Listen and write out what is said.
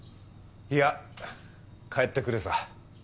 いや帰ってくるさ。